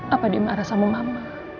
apa dia marah sama mama